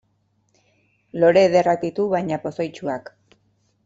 Lore ederrak ditu, baina pozoitsuak.